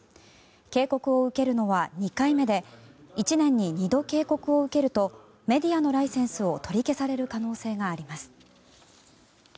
警告を受けるのは２回目で１年に、２度警告を受けるとメディアのライセンスを取り消される可能性があります。